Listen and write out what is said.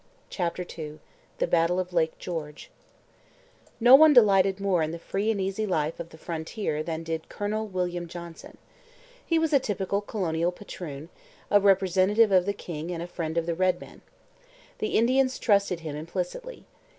CHAPTER II BATTLE OF LAKE GEORGE No one delighted more in the free and easy life of the frontier than did Colonel William Johnson. He was a typical colonial patroon, a representative of the king and a friend of the red man. The Indians trusted him implicitly.